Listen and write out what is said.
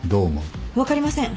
分かりません。